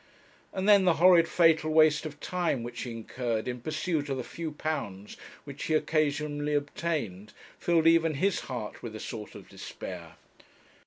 And then the horrid fatal waste of time which he incurred in pursuit of the few pounds which he occasionally obtained, filled even his heart with a sort of despair.